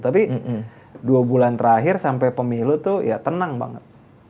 tapi dua bulan terakhir sampai pemilu tuh ya tenang banget